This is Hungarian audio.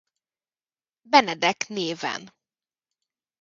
Benedek néven.